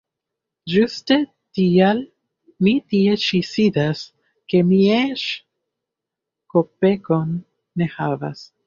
Ĝuste tial mi tie ĉi sidas, ke mi eĉ kopekon ne havas.